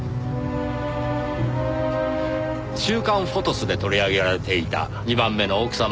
『週刊フォトス』で取り上げられていた２番目の奥様